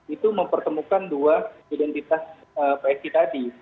itu mempertemukan dua identitas psi tadi